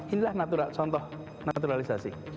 inilah contoh naturalisasi